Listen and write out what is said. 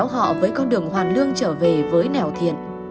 họ với con đường hoàn lương trở về với nẻo thiện